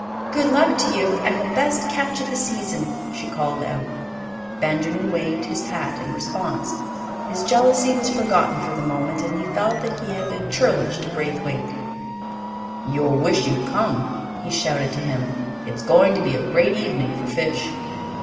"Good luck to you and the best catch of the season," she called out. Benjamin waved his hat in response. His jealousy was forgotten for the moment and he felt that he had been churlish to Braithwaite. "You'll wish you'd come," he shouted to him. "It's going to be a great evening for fish."